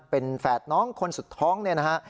เป็นแฝดน้องคนสุดท้องเนี่ยนะฮะ